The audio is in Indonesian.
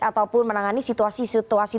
ataupun menangani situasi situasi